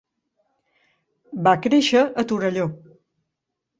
Va créixer a Torelló.